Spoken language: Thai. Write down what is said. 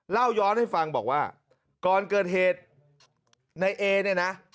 เล่าย้อนให้ฟังบอกว่าก่อนเกิดเหตุในเอเนี่ยนะ